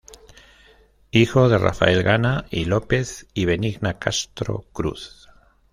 Hijo de Rafael Gana y López y Benigna Castro Cruz.